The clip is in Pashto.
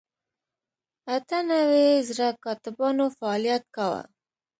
اته نوي زره کاتبانو فعالیت کاوه.